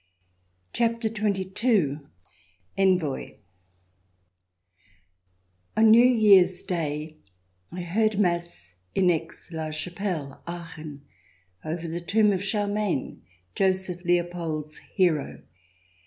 CHAPTER XXII ENVOI On New Year's Day I heard Mass in Aix la Chapelle — Aachen — over the tomb of Charlemagne, Joseph Leopold's hero.